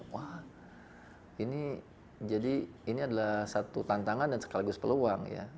wah ini jadi ini adalah satu tantangan dan sekaligus peluang ya